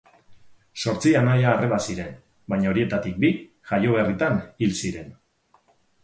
Zortzi anai-arreba ziren, baina horietatik bi jaio berritan hil ziren.